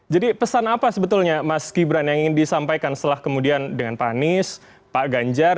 jadi pesan apa sebetulnya mas gibran yang ingin disampaikan setelah kemudian dengan pak anies pak ganjar